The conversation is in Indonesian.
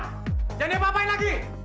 jangan dia apa apain lagi